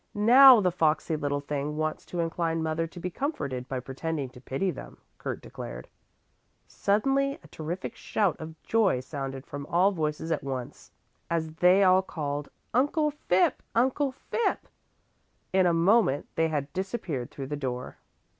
"Now the foxy little thing wants to incline mother to be comforted by pretending to pity them," Kurt declared. Suddenly a terrific shout of joy sounded from all voices at once as they all called: "Uncle Phipp! Uncle Phipp!" In a moment they had disappeared through the door.